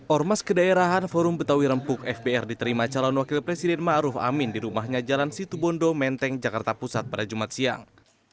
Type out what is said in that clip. ormas kedaerahan forum betawi rempuk fbr diterima calon wakil presiden ⁇ maruf ⁇ amin di rumahnya jalan situbondo menteng jakarta pusat pada jumat siang